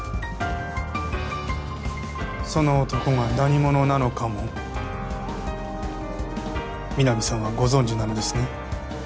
その男が何者なのかも皆実さんはご存じなのですね？